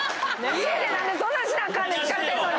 家で何でそんなんしなあかんねん⁉疲れてんのに。